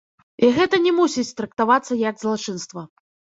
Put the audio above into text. І гэта не мусіць трактавацца як злачынства.